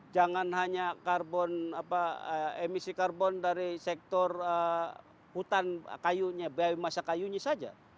jangan hanya emisi karbon dari sektor hutan kayunya bel masa kayunya saja